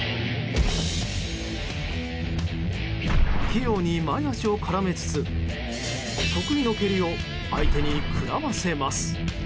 器用に前脚を絡めつつ得意の蹴りを相手に食らわせます。